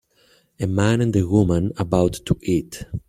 A man and a woman about to eat.